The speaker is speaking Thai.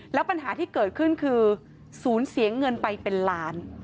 แล้วปัญหาที่เกิดขึ้นคือศูนย์เสียเงินไปเป็นล้าน